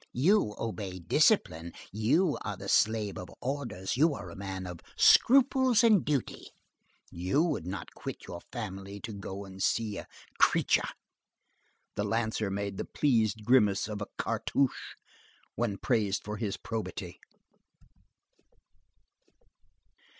You obey discipline, you are the slave of orders, you are a man of scruples and duty, and you would not quit your family to go and see a creature." The lancer made the pleased grimace of Cartouche when praised for his probity.